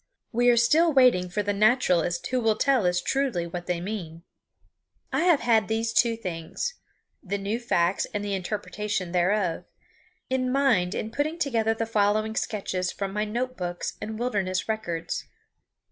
We are still waiting for the naturalist who will tell us truly what they mean. I have had these two things the new facts and the interpretation thereof in mind in putting together the following sketches from my note books and wilderness records.